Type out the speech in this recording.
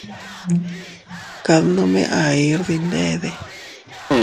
Kad nome ahir dindade.